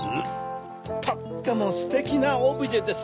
とってもステキなオブジェです